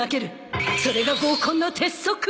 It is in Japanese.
それが合コンの鉄則！